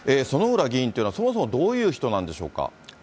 薗浦議員っていうのは、そもそもどういう人なんでしょうか？